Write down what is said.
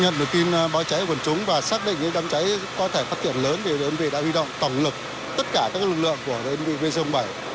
nhận được tin báo cháy của quần chúng và xác định những đám cháy có thể phát triển lớn thì đơn vị đã huy động tổng lực tất cả các lực lượng của đơn vị bên sông bảy